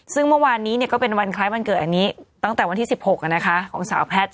ซึ่งเมื่อวานนี้ก็เป็นวันคล้ายวันเกิดอันนี้ตั้งแต่วันที่๑๖ของสาวแพทย์